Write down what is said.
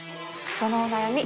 そのお悩み